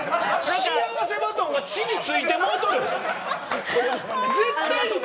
幸せバトンが地に着いてもうとる。